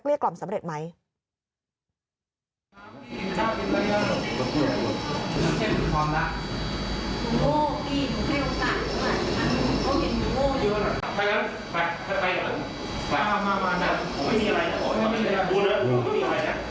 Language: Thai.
เข้าเลย